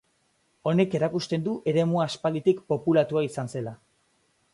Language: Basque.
Honek erakusten du eremua aspalditik populatua izan zela.